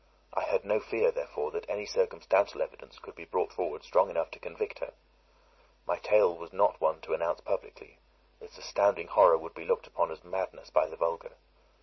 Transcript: I had no fear, therefore, that any circumstantial evidence could be brought forward strong enough to convict her. My tale was not one to announce publicly; its astounding horror would be looked upon as madness by the vulgar.